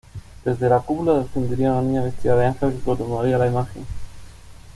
Desde la cúpula descendería una niña vestida de ángel que coronaría a la imagen.